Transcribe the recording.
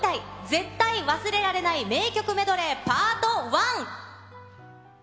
絶対忘れられない名曲メドレー、パート１。